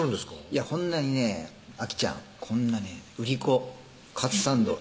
いやこんなにねアキちゃんこんなね売り子・カツサンド